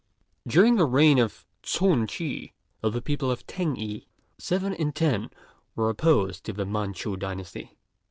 During the reign of Shun Chih, of the people of T'êng i, seven in ten were opposed to the Manchu dynasty.